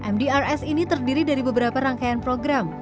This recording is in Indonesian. mdrs ini terdiri dari beberapa rangkaian program